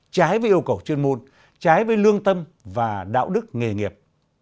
trái với yêu cầu chuyên môn trái với lương tâm và đạo đức nghề nghiệp